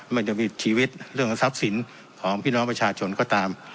มันจะมีชีวิตเรื่องของทรัพย์สินของพี่น้องประชาชนก็ตาม